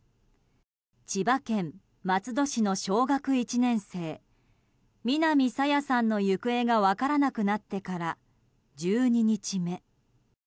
千葉県松戸市の小学１年生南朝芽さんの行方が分からなくなってから１２日目。